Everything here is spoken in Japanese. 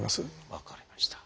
分かりました。